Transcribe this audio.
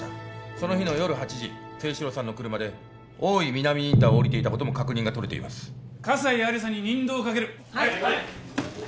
その日の夜８時征四郎さんの車で大井南インターを降りていたことも確認がとれています葛西亜理紗に任同をかけるはい！